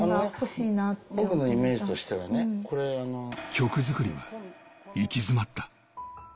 曲作りは行き詰まった。